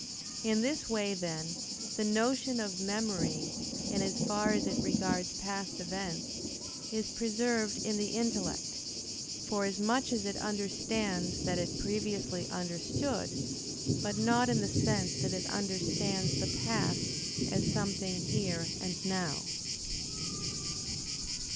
In this way, then, the notion of memory, in as far as it regards past events, is preserved in the intellect, forasmuch as it understands that it previously understood: but not in the sense that it understands the past as something "here" and "now."